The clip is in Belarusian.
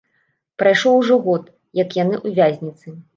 Прайшоў ужо год, як яны ў вязніцы.